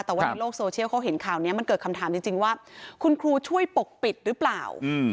แต่ว่าในโลกโซเชียลเขาเห็นข่าวนี้มันเกิดคำถามจริงว่าคุณครูช่วยปกปิดหรือเปล่า